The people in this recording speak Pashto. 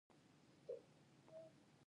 کلتور د افغانستان د انرژۍ سکتور برخه ده.